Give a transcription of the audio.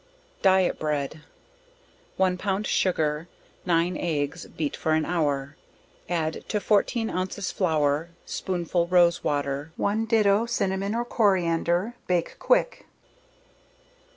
Diet Bread. One pound sugar, 9 eggs, beat for an hour, add to 14 ounces flour, spoonful rose water, one do. cinnamon or coriander, bake quick.